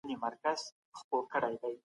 سياست د انساني چلندونو پېچلې مطالعه نه ده.